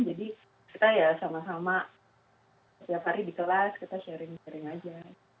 jadi kita ya sama sama setiap hari di kelas kita sharing sharing aja